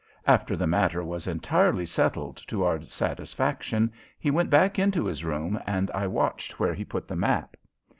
After the matter was entirely settled to our satisfaction he went back into his room and I watched where he put the map.